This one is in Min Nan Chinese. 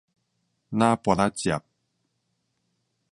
林菝仔汁